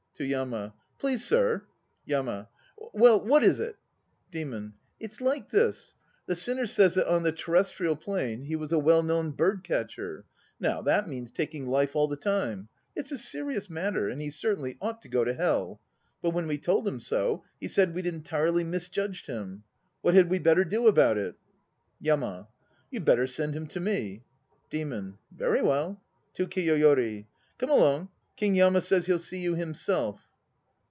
(To YAMA.) Please sir! YAMA. Well, what is it? DEMON. It's like this. The sinner says that on the Terrestrial Plane he was a well known bird catcher. Now that means taking life all the time; a serious matter, and he certainly ought to go to Hell. But when we told him so, he said we'd entirely misjudged him. What had we better do about it? YAMA. You'd better send him to me. DEMON. Very well. (To KIYOYORI.) Come along, King Yama says he'll see you himself.